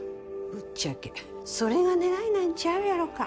ぶっちゃけそれが狙いなんちゃうやろか。